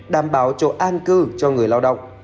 đảm bảo chỗ an cư cho người lao động